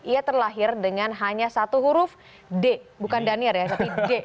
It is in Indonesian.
ia terlahir dengan hanya satu huruf d bukan daniel ya tapi d